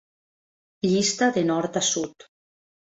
Llista de nord a sud.